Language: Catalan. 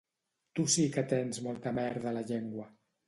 Tu sí que tens molta merda a la llengua!